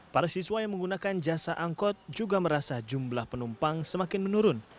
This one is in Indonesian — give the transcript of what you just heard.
para siswa yang menggunakan jasa angkot juga merasa jumlah penumpang semakin menurun